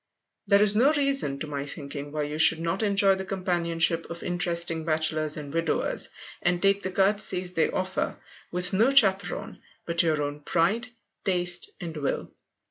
There is no reason, to my thinking, why you should not enjoy the companionship of interesting bachelors and widowers, and take the courtesies they offer, with no chaperon but your own pride, taste, and will.